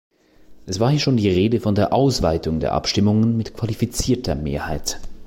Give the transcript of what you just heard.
Es war hier schon die Rede von der Ausweitung der Abstimmungen mit qualifizierter Mehrheit.